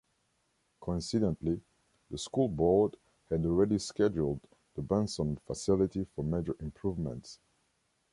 Coincidentally, the School Board had already scheduled the Benson facility for major improvements.